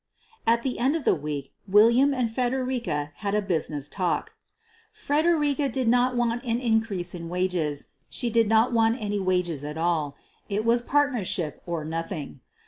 At the end of the week, William and Fredericka had a business talk. Fredericka didn't want an in 190 SOPHIE LYONS crease in wages. She didn't want any wages at all. It was partnership or nothing.